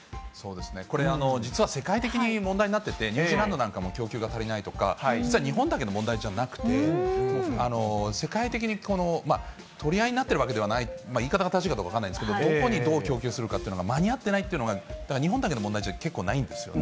これ、実は世界的に問題になっていて、ニュージーランドなんかも供給が足りないとか、実は日本だけの問題じゃなくて、世界的に取り合いになっているわけではない、言い方が正しいかどうか分からないんですけれども、どこにどう供給するかっていうのが、間に合ってないっていうのが、だから、日本だけの問題じゃ結構、ないんですよね。